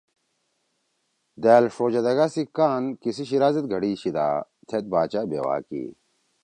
دأل ݜو جدَگا سی کآن کیِسی شیِرا زید گھڑی شیِدا تھید باچا بیوا کی۔